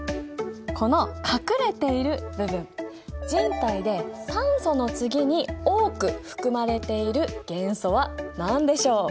この隠れている部分人体で酸素の次に多く含まれている元素は何でしょう？